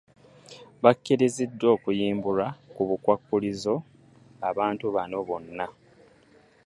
Bakkiriziddwa okuyimbulwa ku bukwakkulizo abantu bano bonna